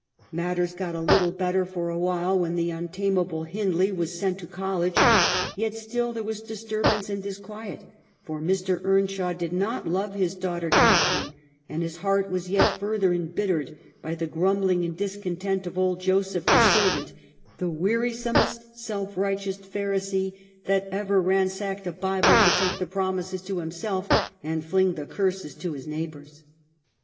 Matters got a little better for a * WUTHERING HEIGHTS: 239 while, when the untamable Hindley was sent to college ; yet still there was disturbance and dis quiet, for Mr. Earnshawdid not love his daughter Catharine, and his heart was yet further imbit tered by the grumbling and discontent of old Joseph the servant ;, the wearisomest, " self righteous Pharisee that ever ransacked a Bible to take the promises to himself and fling the curses to his neighbors."